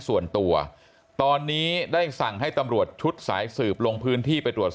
ส่วนตัวตอนนี้ได้สั่งให้ตำรวจชุดสายสืบลงพื้นที่ไปตรวจสอบ